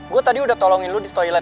gue tadi udah tolongin lo di toilet ya